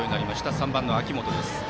３番の秋元です。